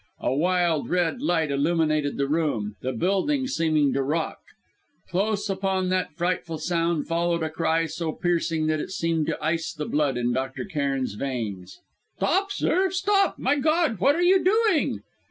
A wild red light illuminated the room, the building seemed to rock. Close upon that frightful sound followed a cry so piercing that it seemed to ice the blood in Dr. Cairn's veins. "Stop, sir, stop! My God! what are you doing!"